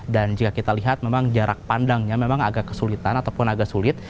dan jika kita lihat memang jarak pandangnya memang agak kesulitan ataupun agak sulit